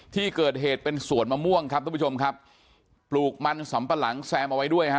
ที่เกิดเหตุเป็นสวนมะม่วงครับทุกผู้ชมครับปลูกมันสำปะหลังแซมเอาไว้ด้วยฮะ